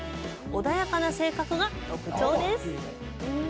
穏やかな性格が特徴です。